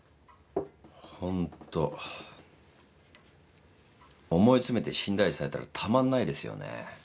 ほんと思い詰めて死んだりされたらたまんないですよね。